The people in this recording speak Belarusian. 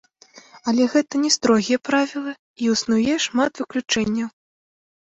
Але гэта не строгія правілы, і існуе шмат выключэнняў.